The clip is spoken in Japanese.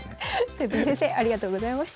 とよぴー先生ありがとうございました。